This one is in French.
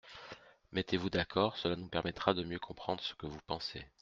Mettez-vous d’accord, cela nous permettra de mieux comprendre ce que vous pensez.